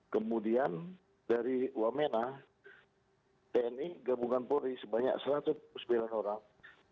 kemudian dari wamena tni gabungan polri sebanyak satu ratus sembilan orang